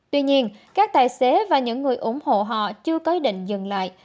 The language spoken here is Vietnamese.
tuy nhiên các tài xế và những người ủng hộ họ chưa có ý định dừng lại